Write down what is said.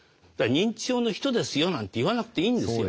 認知症の人ですよなんて言わなくていいんですよ。